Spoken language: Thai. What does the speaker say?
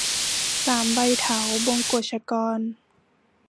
สามใบเถา - บงกชกร